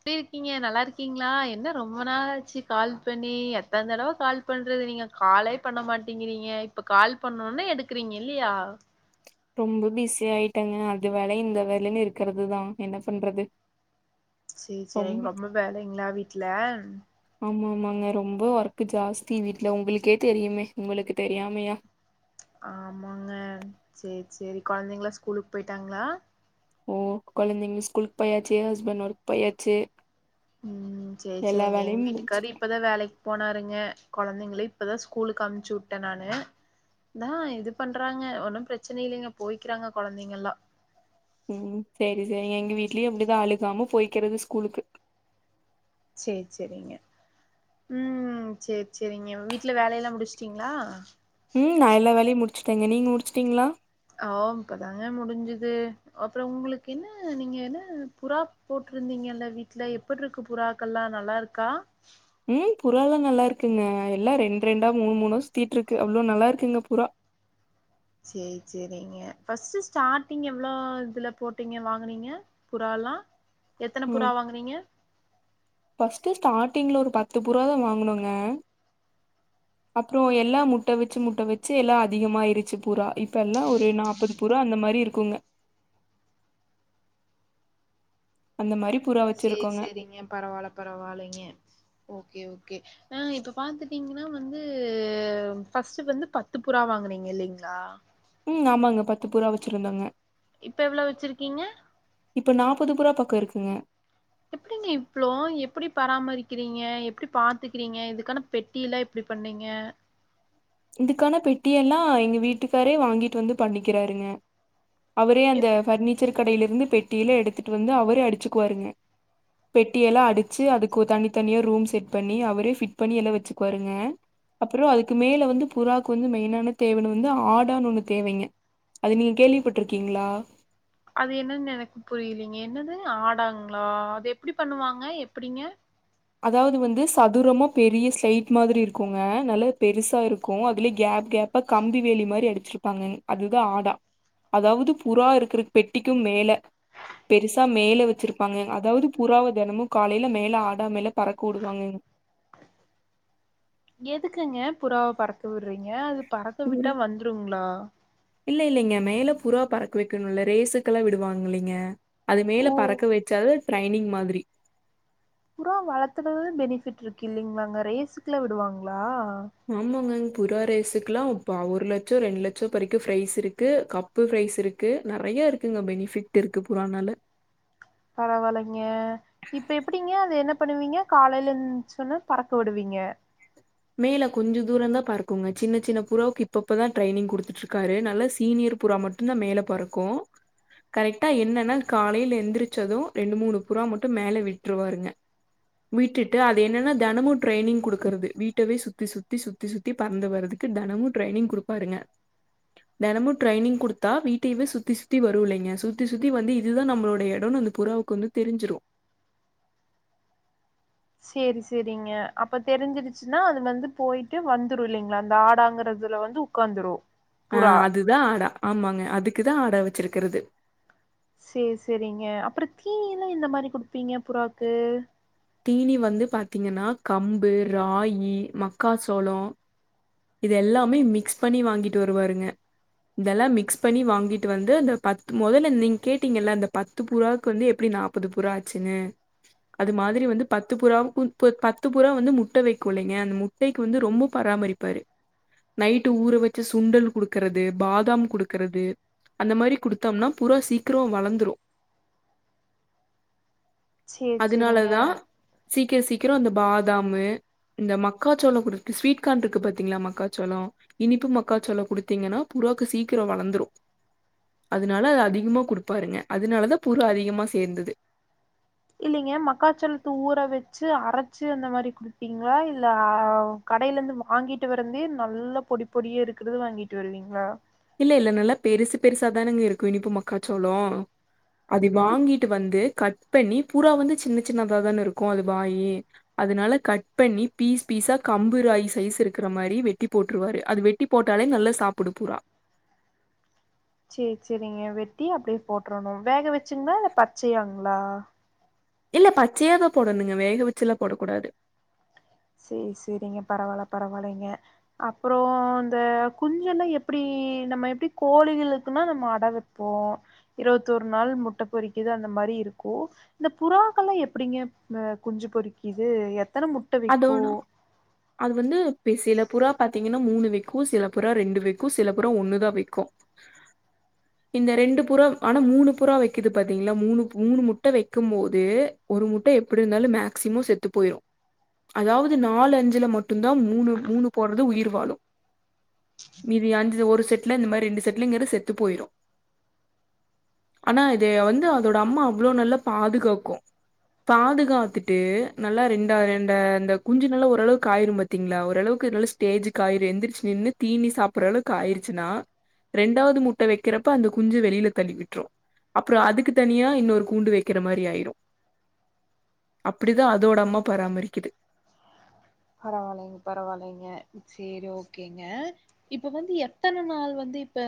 எப்டி இருக்கீங்க நல்லா இருக்கீங்களா என்ன ரொம்ப நாள் ஆச்சு கால் பண்ணி எத்தன தடவ கால் பண்றது நீங்க காலே பண்ண மாட்டேங்கிறீங்க இப்ப கால் பண்ண ஒடனே எடுக்கறீங்க இல்லயா ரொம்ப பிஸி ஆயிட்டாங்க அது வேல இந்த வேலன்னு இருக்கிறதுதா என்ன பண்றது செரி செரிங்க ரொம்ப வேலைங்களா வீட்லா ஆமா ஆமாங்க ரொம்ப ஒர்க் ஜாஸ்தி வீட்ல உங்களுக்கே தெரியுமே உங்களுக்கு தெரியாமை ய ஆமாங்க செரி செரி குழந்தைங்க ஸ்கூல் போய்டாங்களா ஓ கொழந்தைங்க ஸ்கூலு போயாச்சு ஹஸ்பண்ட் ஒர்க் பொயாச்சு ம் செர் செரி எங்க வீட்டு முடிஞ்சு கறி இப்போ தா வேலைக்கு போனாருங்க குழந்தைங்கள இப்போ தா ஸ்கூலுக்கு அமுச்சு வுட்டே நானு தா இது பண்றாங்க ஒன்னு பிரச்சன இல்லங்க போய்க்கிறாங்க கொழந்தைங்க ல ம் செரி செரிங்க எங்க வீட்லயு இப்டிதா அழுகாம போய்கிறது ஸ்கூலுக்கு சேர் செரிங்க ம் சேர் செரிங்க வீட்ல வேலையெல்லா முடிச்சுட்டீங்களா ம் நா எல்லா வேலையு முடிச்சுட்டேங்க நீங்க முடிச்சுட்டீங்களா ஓம் இப்பதாங்க முடிஞ்சுது அப்றோம் உங்களுக்கு என்ன நீங்க என்ன புறா போட்டிருந்தீங்கல்ல வீட்ல எப் பட்றுக்கு புறாக்கள்ல்லா நல்லாருக்கா ம் புறால்லா நல்லா இருக்குங்க எல்லா ரெண்டு ரெண்டா மூணு மூணு சுத்தீட்ருக்கு அவ்ளோ நல்லா இருக்குங்க புறா சேர் செரிங்க ஃபர்ஸ்ட் ஸ்டாட்டிங் எவ்ளோ இதுல போட்டீங்க வாங்குனீங்க புறால்லா எத்தன புறா வாங்குனீங்க ஃபஸ்ட்டு ஸ்டார்ட்டிங்குல ஒரு பத்து புறா தா வாங்கணுங்க அப்றோ எல்லா முட்ட வச்சு முட்ட வச்சு எல்லா அதிகமாயிருச்சு பூரா இப்ப எல்லா ஒரு நாப் பது புறா அந்த மாரி இருக்குங்க அந்த மாரி புறா சேரி வச்சிருக்கோங்க செரிங்க பரவால்ல பரவாலைங்க ஓகே ஓகே ஆ இப்ப பாத்துட்டீங்கன்னா வந்து ஃபஸ்ட்டு வந்து பத்து புறா வாங்குனீங்க இல்லைங்களா ம் ஆமாங்க பத்து புறா வச்சிருந்தோங்க இப்ப எவ்ளோ வச்சிருக்கீங்க இப்ப நாப்பது புறா பக்கோ இருக்குங்க எப்டீங்க இவ்ளோ எப்டி பராமரிக்கிறீங்க எப்டி பாத்துக்கிறீங்க இதுக்கான பெட்டியெல்லா எப்டி பண்ணீங்க இதுக்கான பெட்டியெல்லா எங்க வீட்டுக்காரே வாங்கிட்டு வந்து பண்ணிக்கிறாருங்க அவரே அந்த எப் பஃர்னிச்சர் கடையிலருந்து பெட்டியில எடுத்துட்டு வந்து அவரே அடிச்சுக்குவாருங்க பெட்டியெல்லா அடிச்சு அதுக்கு தனித்தனியா ரூம் செட் பண்ணி அவரே ஃபிட் பண்ணி எல்லா வச்சுக்குவாருங்க அப்புறோ அதுக்கு மேல வந்து புறாக்கு வந்து மெயினான தேவன வந்து ஆடானு ஒண்ணு தேவைங்க அது நீங்க கேள்விப்பட்டுருக்கீங்களா அது என்னன்னு எனக்கு புரியிலேங்க என்னது ஆடாங்களா அது எப்டி பண்ணுவாங்க எப்டிங்க அதாது வந்து சதுரமா பெரிய ஸ்லைட் மாரி இருக்கூங்க நல்ல பெருசாருக்கூம் அதுலயே கேப் கேப்பா கம்பி வேலி மாரி அடிச்சிருப்பாங்கங் அதுதா ஆடா அதாவ்து புறா இருக்குற பெட்டிக்கு மேல பெருசா மேல வச்சிருக் பாங்க அதாவ்து புறாவ தெனமு காலேல மேல ஆடா மேல பறக்க வுடுவாங்கங் எதுக்குங்க புறாவ பறக்க வுட்றீங்க அது பறக்க விட்டா வந்துருங்ளா இல்லே இல்லேங்க மேல புறா பறக்க வைக்கணும்ல்ல ரேசுக்கெல்லா விடுவாங் இல்லேங்க அது ஓ மேல பறக்க வச்சாலு ட்ரைனிங் மாதிரி புராவ வளர்த்துற பெனிபிட் இருக்கு இல்லங்கள அங்க ரேசுக்குல்லா விடுவாங்ளா ஆமாங்கங் புறா ரேசுக்குல்லா இப்ப ஒரு லட்சோ ரெண்டு லட்சோ வரைக்கு ப்ரைஸ் இருக்கு கப் போ ப்ரைஸ் இருக்கு நெறைய இருக்குங்க பெனிஃபிட் இருக்கு புறானால பரவால்லைங்க இப்ப எப்படிங்க அது என்ன பண்ணுவீங்க காலைல எந்சோச்ன்ன பறக்க விடுவீங்க மேல கொஞ்சோ தூரந்தா பரக்கோங்க ஜின்ன ஜின்ன புறாக்கு இப்பப்பதா ட்ரைனிங் குடுத்துட்ருக்காரு ரே நாள்ல சீனியர் புறா மட் டுந்தா மேல பறக்கோ கரெக்டா என்னன்னா காலைல எந்திரிச்சது ரெண்டு மூணு புறா மட்டு மேல விட்டுருவாருங்க விட்டுட்டு அது என்னன்னா தெனமும் ட்ரெனிங் குடுக்குறது வீட் டவே சுத்தி சுத்தி சுத்தி சுத்தி பறந்து வரதுக்கு தெனமு ட்ரைனிங் குடுப்பாருங்க தெனமும் ட்ரைனிங் குடுத்தா வீட்டயவே சுத்தி சுத்தி வரு இல்லைங்க சுத்தி சுத்தி வந்து இதுதா நம்மளோய எடோனு வந்து புறாவுக்கு வந்து தெரிஞ்சிரு செரி செரிங்க அப்ப தெரிஞ்சிருச்சுன்னா அது வந்து பொயிட்டு வந்துரு இல்லைங்ளா அந்த ஆடாங்குறதுல வந்து உக்காந்ரு புறா அதா ஆடா ஆமாங்க அதுக்குதா ஆடா வச்சிருக்கிறது சேர் செரிங்க அப்றோ தீனியெல்லா எந்த மாரி குடுப்பீங்க புறாக்கு தீனி வந்து பாத்திங்கன்னா கம்பு ராகி மக்காச்சோளோ இது எல்லாமே மிக்ஸ் பண்ணி வாங்கிட்டு வருவாருங்க இதெல்லா மிக்ஸ் பண்ணி வாங்கிட்டு வந்து இந்த பத்து மொதல்ல நீங்க கேட்டீங்கல்ல இந்த பத் பத்து புறாக்கு வந்து எப்டி நாப்பது புறா ஆச்சுன்னு அது மாரி அது மாரி வந்து பத்து புறாவு பத்து புறா வந்து முட்ட வைக்குள்ளைங்க அந்த முட்டைக்கு வந்து ரொம்ப பராமரிப்பாரு நைட்டு ஊற வச்ச சுண்டல் குடுகறது பாதாம் குடுகறது அந்த மாரி குடுத்தோம்னா புறா சீக்ரோ வளந்துரு சேர் சேரிங்க சீக்ர சீக்ரோ அந்த பாதமு இந்த மக்கா சோளோ குடு ஸ்வீட்கான் இருக்கு பாத்திங்களா மக்காச்சோளோ இனிப்பு மக்காசோளோ குடுதீங்கனா புறாக்கு சீக்ரோ வளந்துரு அதனால அது அதிகமா குடுப்பாருங்க அதனாலதா புறா அதிகமா சேந்துது இல்லங்க மக்காசோளத்த ஊற வச்சி அரச்சி அந்த மாரி குடுபீங்ளா இல்ல கடையில இருந்து வாங்கிட்டு வரதே நல்ல பொடி பொடியே இருக்கற்த வாங்கிட்டு வருவீங்ளா இல்ல இல்ல நல்லா பெருசு பெருசாதானேங்க இருக்கு இனிப்பு மக்காசோளோ அத வாங்கிட்டு வந்து கட் இப்ப நீ பூறா வந்து சின்ன சின்னத தானே இருக்கு அது வாயி அதனால கட் பண்ணி பீஸ் பீஸா கம்பு ராகி சைஸ் இருகுற மாரி வெட்டி போட்ருவாரு அது வெட் வெட்டி போட்டாலே நல்ல சாப்டு புறா சேர் சேரிங்க வெட்டி அப்டியே போட்ரணு வேக வச்சிங்ளா இல்ல பச்சையாங்ளா இல்ல பச்சையாதா போடனுங்க வேக வச்சிலா போடக் கூடாது சேரி சேரிங் பரவால்ல பரவால்லைங்க அப்றோ இந்த குஞ்செல்லா எப்டி நம்ம எப்டி கோழிகளுகுனா நம்ம அட வைப் இப்போ இருவத்தொரு நாள் முட்ட பொரிகுது அந்த மாரி இருக்கு இந்த புறாக்கள்ள எப்டிங்க குஞ்சு பொறிக்குதுது எத்தன முட்ட விக்கு அதோனு அது வந்து இ சில புறா பாத்திங்ன்னா மூணு வைக்கு சில புறா ரெண்டு வைக்கு சில புரா ஒண்ணுதா வைக்கு இந்த ரெண்டு புறா ஆனா மூணு புறா வைக்குது பாத்திங்ளா மூணு மூணு முட்ட வைக்கு போதே ஒரு முட்ட எப்டி இருந்தாலு மேக்சிமம் செத்து பொயிடு அதாவ்து நாலு அஞ்சில மட்டுதா மூணு மூணு போட்றது உயிர் வாழு மீதி அஞ்சு ஒரு செட்ல இந்த மாரி ரெண்டு செட்லங்றது செத்து பொயிடு ஆனா இத வந்து அதோட அம்மா அவ்ளோ நல்ல பாதுகாக்கு பாதுகத்துட்டு நல்லா ரெண் டா இந்த அந்த குஞ்சு நல்ல ஓர அளவுக் ஆயிரு பாத்திங்ளா ஓரளவுக் ஸ்டேஜிக் ஆயிரு எந்திரிச்சி நின்னு தீனி சாப்பூற்ற அளவுக்கு ஆயிருச்சுன்னா ரெண்டாவது முட்ட வைக்றப்ப அந்த குஞ்சி வெளில தள்ளி விட்ரு அப்றோ அதுக்கு தனியா இன்னொரு கூண்டு வைக்கிற மாரி ஆயிரு அப்டிதா அதோட அம்மா பராமரிக்குது பரவால்லைங்க பரவால்லைங்க சேரி ஓகேங்க இப்ப வந்து எத்தன நாள் வந்து இப்ப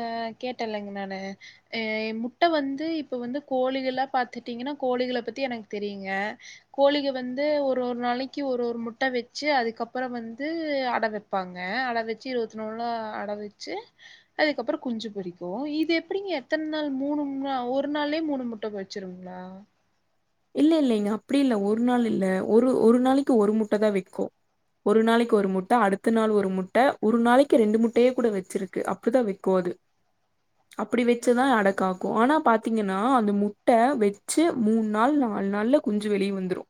கேட்டல்லைங்க நானு எ முட்ட வந்து இப்ப வந்து கோழிகள்லா பாத்துட்டிங்கனா கோழிகள பத்தி எனக்கு தெரியுங்க கோழிக வந்து ஒரு ஒரு நாளைக்கி ஒரு ஒரு முட்ட வச் சி அதுக்கப்பறோ வந்து அட வைப்பாங்க அட வச்சி இருவத்தி ஒருநாள்ல அட வச்சி அதுக்கப்பறோ குஞ்சி பொரிக்கு இது எப்டிங்க எத்தன நாள் மூணு மூணு ஒரு நாள்லே மூணு முட்ட பொரிக் ச்சிருங்ளா இல்ல இல்லைங்க அப்டி இல்ல ஒரு நாள் இல்ல ஒரு ஒரு நாளைக்கு ஒரு முட்டதா வைக்கு ஒரு நாளைக்கு ஒரு முட்ட அடுத்த நாள் ஒரு முட்ட ஒரு நாளைக்கு ரெண்டு முட்டையே கூட வச்சிருக்கு அப்படிதா வை க்கு அது அப்டி வச்சிதா அடகாக்கு ஆனா பாத்தீங்கனா அந்த முட்ட வச்சி மூன் நாள் நாலு நாள்ல குஞ்சி வெளியே வந்துரு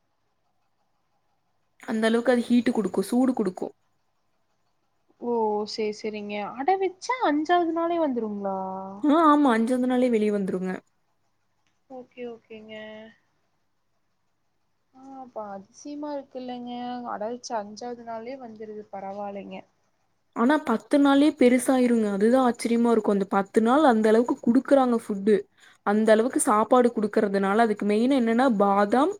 அந்த அளவுக்கு அது ஹீட்டு குடுக்கு சூடு குடுக்கு ஓ சேரி சேரிங்க அட வச்சா அஞ்சாவது நாளே வந்துருங்ளா ஆ ஆமா அஞ்சாவது நாளே வெளியே வந்துருங்க ஓகே ஓகேங்க ஆ பா அதிசயமா இருக்கு இல்லைங்க அட வச்ச அஞ்சாவது நாளே வந்துருது பரவாயில்லங்க ஆனா பத்து நாள்லயே பெருசாயிருங்க அதுதா ஆச்சரியமா இருக்கு அந்த பத்து நாள் அந்த அளவுக்கு குடுக்குறாங்க ஃபுட்டு அந்த அளவுக்கு சாப்பாடு குடுக்குறதுனால அதுக்கு மெயின் என்னன்னா பாதாம்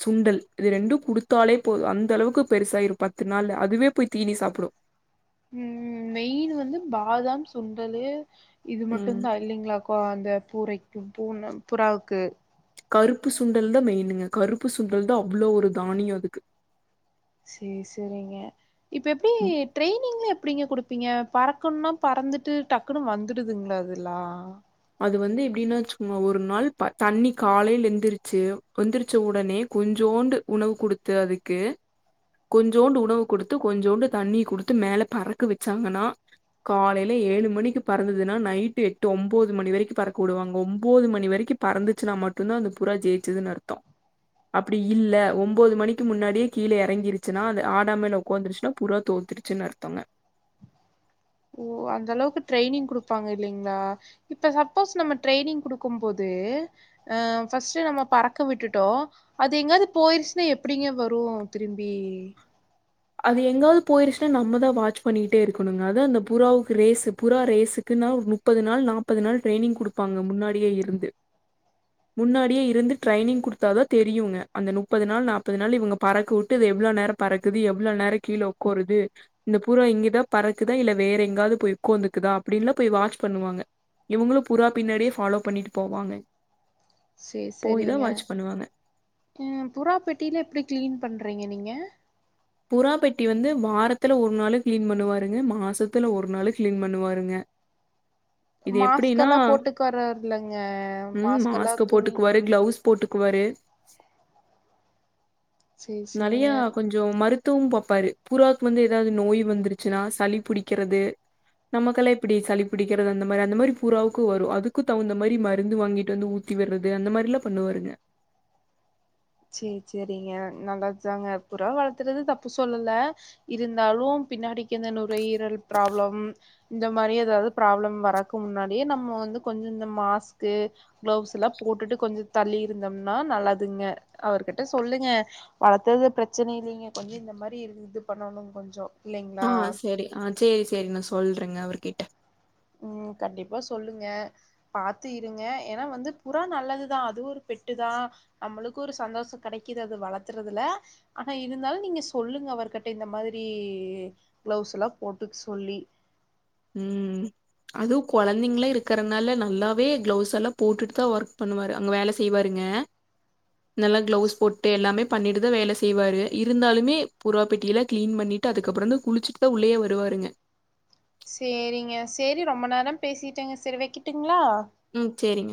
சுண்டல் இது ரெண்டு குடுத்தாலே போது அந்த அளவுக்கு பெருசாயிரு பத்து நாள் அதுவே போய் தீனி சாப்புடு ம் மெயின் வந்து பாதாம் சுண்டலு இது ம் மட்டுந்தா இல்லைங்ளா கு அந்த பூரைக்கு பூன புறாவுக்கு கருப்பு சுண்டல்தா மெயினுங்க கருப்பு சுண்டல்தா அவ்ளோ ஒரு தானியோ அதுக்கு சேரி சேரிங்க இப்ப எப்டி ட்ரெயினிங்லா எப்டிங்க குடுப்பீங்க பறக்கணுன்னா பறந்துட்டு டக் குணு வந்துடுதுங்ளா அதெல்லா அது வந்து எப்டின்னா வச்சுகோங்க ஒரு நாள் ப தண்ணி காலைல எந்துருச்சு எந்திரிச்ச உடனே கொஞ்சோண்டு உணவு குடுத்து அதுக்கு கொஞ்சோண்டு உணவு குடுத்து கொஞ்சோண்டு தண்ணி குடுத்து மேல பறக்க வச்சாங்கன்னா காலைல ஏழு மணிக்கு பறந்துதுன்னா நைட்டு எட்டு ஒம் போது மணி வரைக்கு பறக்க வுடுவாங்க ஒம்போது மணி வரைக்கு பறந்துச்சுன்னா மட்டுந்தா அந்த புறா ஜெயிச்சுதுனு அர்த்தோ அப்டி இல்ல ஒம்போது மணிக்கு முன்னாடியே கீழ எறங்கிருச்சுனா அது ஆடா மேல ஒக்காந்துருச்சுன்னா புறா தோத்துரு ச்சினு அர்த்தோங்க ஓ அந்த அளவுக்கு ட்ரைனிங் குடுப்பாங்க இல்லைங்ளா இப்ப சப்போஸ் நம்ம ட்ரைனிங் குடுக்கும்போது அ ஃபர்ஸ்ட் நம்ம பறக்க விட்டுட்டோ அது எங்காது போயிருச்சுனா எப்டிங்க வரு திரும்பி அது எங்காது போயிருச்சுனா நம்மதா வாட்ச் பண்ணிகிடே இருக்கனுங்க அதா அந்த புறாவுக்கு ரேஸ் புறா ரேஸுக்குனா ஒரு முப்பது நாள் நாப்பது நாள் ட்ரைனிங் குடுப்பாங்க முன்னாடியே இருந்து முன்னாடியே இருந்து ட்ரைனிங் குடுத்தாதா தெரியுங்க அந்த முப்பது நாள் நாப்பது நாள் இவங்க பறக்க வட்டு அது எவ்ளோ நேரோ பறக்குது எவ்ளோ நேர கீழ உக்காருது இந்த புறா இங்கேதா பறக்குதா இல்ல வேற எங்காது போய் உக்காந்துக்குதா அப்டின்லா போய் வாட்ச் பண்ணுவாங்க இவங்களு புறா பின்னாடியே ஃபாலோ பண்ணிட்டு போவாங்க போய்தா வாட்ச் பண்ணுவாங்க அ புறா பெட்டிலா எப்டி கிளீன் பண்றீங்க நீங்க புறா பெட்டி வந்து வாரத்துல ஒரு நாளு கிளீன் பண்ணுவாருங்க மாசத்துல ஒரு நாளு கிளீன் பண்ணுவாருங்க இது எப்படின்னா மாஸ்கெல்லா போட்டுக் வராருல்லங்க மாஸ்க் எல்லா துணி க்ளவுஸ் போட்டுக்குவாரு சேரி நறயா சேரிங்க கொஞ் கொஞ்சோ மருத்துவோ பாப்பாரு பூராவுக்கு வந்து ஏதாது நோய் வந்துருச்சுன்னா சளி புடிக்கிறது நமக்கெல்லா எப்டி சளி புடிக்கிறது அந்த மாரி அந்த மாரி புறாவுக்கு வரு அதுக்கு தகுந்த மாரி மருந்து வாங்கிட்டு வந்து ஊத் இவர் வந்து அந்த மாரிலா பண்ணுவாருங்க செரி செரிங்க நல்லதுதாங்க புறா வளத்துறது தப்பு சொல்லல இருந்தாலு பின்னாடிக்குந்த நுரையீரல் ப்ராப்ளம் இந்த மாரி ஏதாது ப்ராப்ளம் வரக் முன்னாடியே நம்ம வந்து கொஞ்ச இந்த மாஸ்க்கு கிளவ்ஸ்லா போட்டுட்டு கொஞ்சோ தள்ளி இருந்தம்னா நல்லதுங்க அவர்கிட்ட சொல்லுங்க வளத்தது பிரச்சன இல்லைங்க கொஞ்சோ இந்த மாரி இது பண்ணணு கொஞ்சொ ஆ செரி ஆ செரி செரிங்க நா சொல்றேங்க அவர்கிட்ட ம் கண்டிப்பா சொல்லுங்க பாத்து இருங்க ஏனா வந்து புறா நல்லதுதா அது ஒரு பெட்டுதா நம்மளுகு ஒரு சந்தோஷ கெடைக்குது அது வளத்துறதுல ஆனா இருந்தாலு நீங்க சொல்லுங்க அவர்கிட்ட இந்த மாதிரி கிளவுஸ் எல்லா போட்டுக்க சொல்லி ம் அதுவு கொழந்தைங்களா இருக்கறதுனால நல்லாவே கிளவுஸ் எல்லா போட்டுட்டுதா ஒர்க் பண்ணுவாரு அங்க வேல செய் செய்வாருங்க நல்லா கிளவுஸ் போட்டு எல்லாமே பண்ணிட்டு தா வேல செய்வாரு இருந்தாலுமே புறா பெட்டியில கிளீன் பண்ணிட் அதுக்கப்புறம்தா குளிச்சுட்டுதா உள்ளயே வருவாருங்க செரிங்க செரி ரொம்ப நேரோ பேசிட்டேங்க செரி வைக்கட்டுங்களா ம் செரிங்க